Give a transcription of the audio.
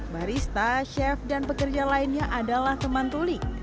barista chef dan pekerja lainnya adalah teman tulik